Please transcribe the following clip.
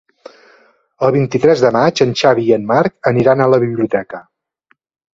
El vint-i-tres de maig en Xavi i en Marc aniran a la biblioteca.